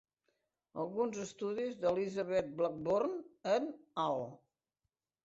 Alguns estudis d'Elizabeth Blackburn et al.